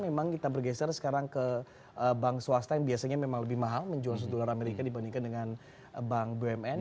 memang kita bergeser sekarang ke bank swasta yang biasanya memang lebih mahal menjual amerika dibandingkan dengan bank bumn